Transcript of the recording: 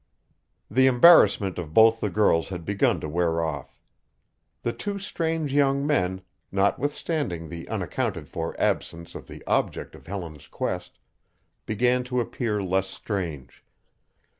The embarrassment of both the girls had begun to wear off. The two strange young men, notwithstanding the unaccounted for absence of the object of Helen's quest, began to appear less strange.